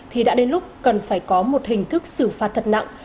thì đã đến lúc cần phải có một hình thức xử phạt thật nặng